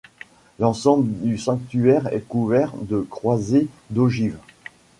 L'ensemble du sanctuaire est couvert de croisées d'ogives.